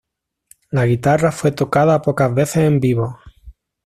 La guitarra fue tocada pocas veces en vivo.